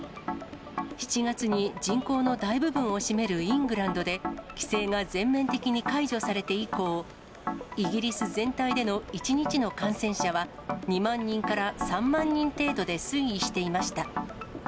７月に人口の大部分を占めるイングランドで、規制が全面的に解除されて以降、イギリス全体での１日の感染者は、２万人から３万人程度で推移していました。